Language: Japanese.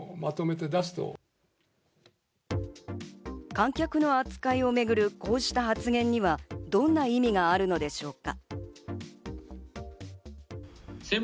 観客の扱いをめぐるこうした発言にはどんな意味があるのでしょうか。